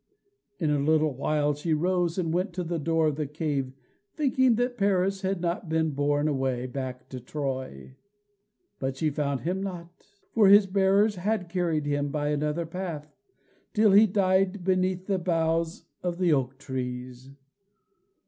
In a little while she rose and went to the door of the cave, thinking that Paris had not been borne away back to Troy, but she found him not; for his bearers had carried him by another path, till he died beneath the boughs of the oak trees.